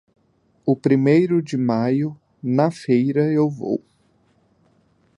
O primeiro de maio, na feira eu vou.